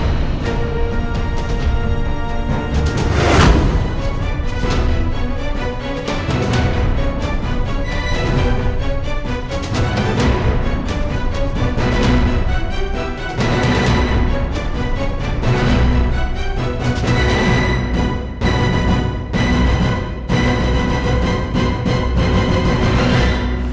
alku lebih hati gue aja